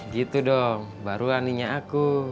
gitu dong baru aninya aku